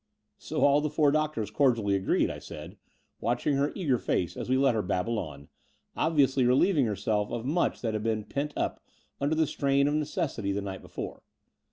*' So all the four doctors cordially agreed," I said, watching her eager face, as we let her babble on, obviously relieving herself of much that had been pent up under the strain of necessity the night before.